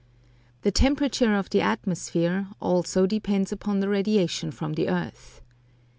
The temperature of the atmosphere also depends upon the radiation from the earth.